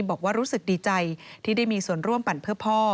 บอกว่ารู้สึกดีใจที่ได้มีส่วนร่วมปั่นเพื่อพ่อ